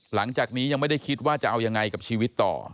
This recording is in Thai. หลังจากนี้ยังไม่ได้คิดว่าจะเอายังไงกับชีวิตต่อ